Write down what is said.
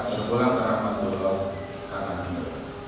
sepuluh dan keempat bulan karena ini